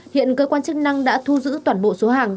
hiện cơ quan chức năng đã thu giữ toàn bộ số hàng